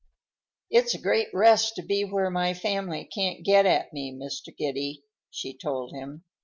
"It's a great rest to be where my family can't get at me, Mr. Giddy," she told him.